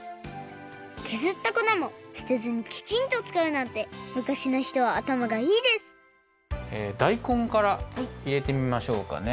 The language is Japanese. けずったこなもすてずにきちんとつかうなんて昔の人はあたまがいいですだいこんからいれてみましょうかね。